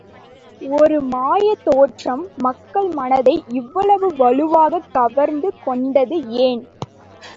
ஒரு மாயைத்தோற்றம், மக்கள் மனத்தை இவ்வளவு வலுவாகக் கவர்ந்து கொண்டது ஏன்?